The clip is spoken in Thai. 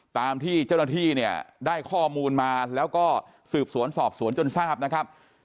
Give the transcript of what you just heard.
ตามที่เจ้าหน้าที่เนี่ยได้ข้อมูลมาแล้วก็สืบสวนสอบสวนจนทราบนะครับ